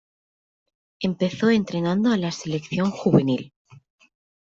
Empezó entrenando a la selección juvenil.